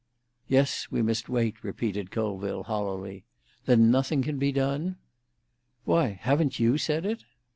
"Yes, we must wait," repeated Colville hollowly. "Then nothing can be done?" "Why, haven't you said it?"